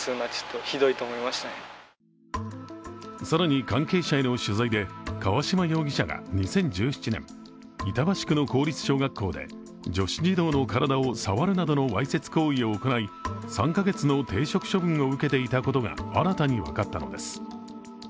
更に関係者への取材で、河嶌容疑者が２０１７年、板橋区の公立小学校で女子児童の体を触るなどのわいせつ行為を行い、３カ月の停職処分を受けていたことが新たに分かったのです。